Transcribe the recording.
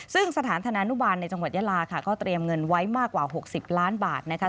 ซึ่งสถานธนานุบาลในจังหวัดยาลาค่ะก็เตรียมเงินไว้มากกว่า๖๐ล้านบาทนะคะ